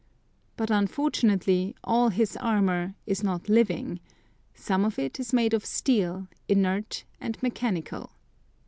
But, unfortunately, all his armour is not living, some of it is made of steel, inert and mechanical.